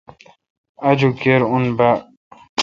آجوک کِر اوں باڑ۔